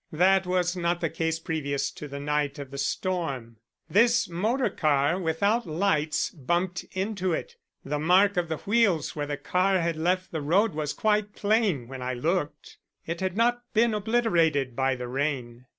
That was not the case previous to the night of the storm. This motor car without lights bumped into it. The mark of the wheels where the car had left the road was quite plain when I looked it had not been obliterated by the rain.